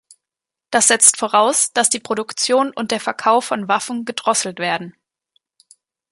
Das setzt voraus, dass die Produktion und der Verkauf von Waffen gedrosselt werden.